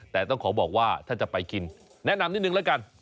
แต่ต้องขอบอกว่าถ้าจะไปกินแนะนำนิดนึงแล้วกัน